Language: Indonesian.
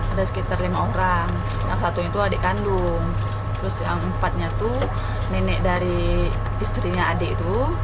ada sekitar lima orang yang satunya itu adik kandung terus yang empatnya itu nenek dari istrinya adik itu